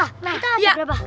kita aja berapa